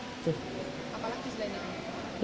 apalagi selain ini